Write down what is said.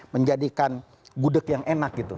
menjadikan gudeg yang enak gitu